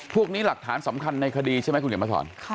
พวกนี้หลักฐานสำคัญในคดีใช่ไหมคุณเขียนมาสอน